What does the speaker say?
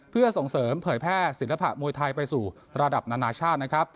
เพื่อส่งเสริมเผยแพร่ศิลปะมวยไทยไปสู่ระดับนานาชาตินะครับ